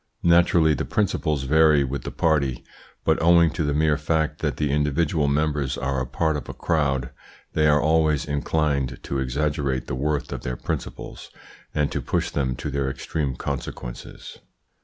Naturally the principles vary with the party; but owing to the mere fact that the individual members are a part of a crowd, they are always inclined to exaggerate the worth of their principles, and to push them to their extreme consequences.